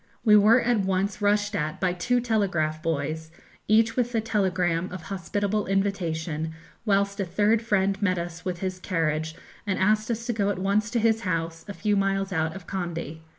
We were at once rushed at by two telegraph boys, each with a telegram of hospitable invitation, whilst a third friend met us with his carriage, and asked us to go at once to his house, a few miles out of Kandy.